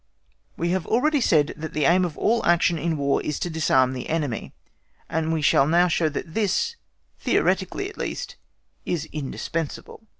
We have already said that the aim of all action in War is to disarm the enemy, and we shall now show that this, theoretically at least, is indispensable.